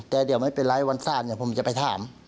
แต่เดี๋ยวไม่เป็นไรวันสั้นผมจะไปถาม